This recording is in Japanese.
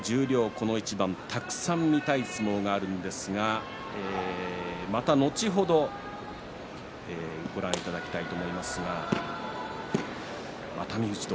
この一番たくさん見たい相撲がありますがまた後ほどご覧いただきたいと思います。